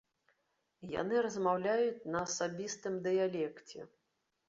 Яны размаўляюць на асабістым дыялекце.